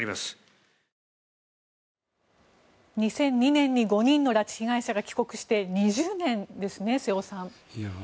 ２００２年に５人の拉致被害者が帰国して２０年ですね、瀬尾さん。